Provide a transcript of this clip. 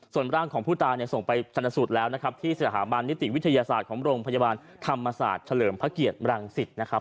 ส่วนร่างของผู้ตายเนี่ยส่งไปชนสูตรแล้วนะครับที่สถาบันนิติวิทยาศาสตร์ของโรงพยาบาลธรรมศาสตร์เฉลิมพระเกียรติรังสิตนะครับ